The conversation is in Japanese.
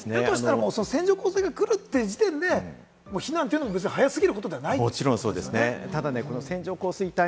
だとしたら線状降水帯が来る時点で、避難というのも早すぎることではないんですね？